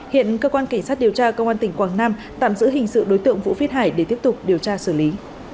hiện cơ quan cảnh sát điều tra công an tỉnh quảng nam tạm giữ hình sự đối tượng vũ viết hải để tiếp tục điều tra xử lý